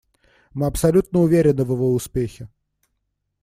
Мы абсолютно уверены в его успехе.